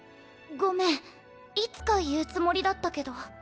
ごめんいつか言うつもりだったけど。